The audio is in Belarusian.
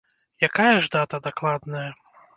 Якая ж дата дакладная?